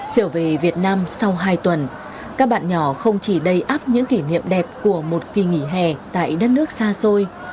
trở về việt nam sau hai tuần các bạn nhỏ không chỉ đầy áp những kỷ niệm đẹp của một kỳ nghỉ hè tại đất nước xa xôi